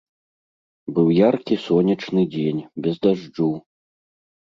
Быў яркі сонечны дзень, без дажджу.